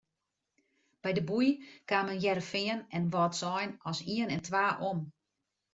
By de boei kamen Hearrenfean en Wâldsein as ien en twa om.